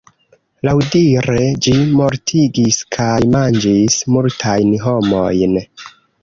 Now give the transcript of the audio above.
Laŭdire ĝi mortigis kaj manĝis multajn homojn.